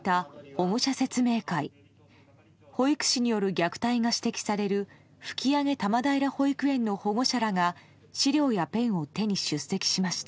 保育士による虐待が指摘される吹上多摩平保育園の保護者らが資料やペンを手に出席しました。